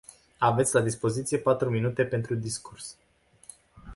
Aveți la dispoziție patru minute pentru discurs.